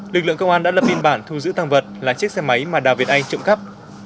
lực lượng công an đã lập biên bản thu giữ thang vật là chiếc xe máy mà đào việt anh trộm cắp